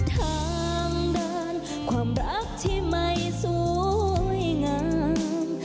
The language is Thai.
ทางเดินความรักที่ไม่สวยงาม